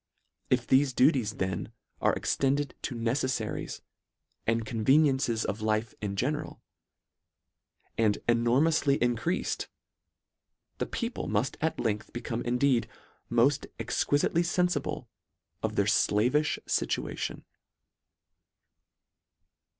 If thefe duties then are extended to neceifaries and conveniences of life in general, and enor moufly increafed, the people mufl: at length become indeed " moft exquilitely fenfible of their flavifli fituation."